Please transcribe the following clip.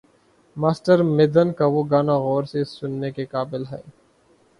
Master Madan کا وہ گانا غور سے سننے کے قابل ہے۔